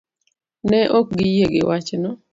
Ne ok giyie gi wachno.